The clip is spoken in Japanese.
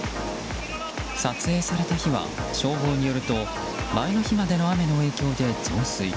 撮影された日は、消防によると前の日までの雨の影響で増水。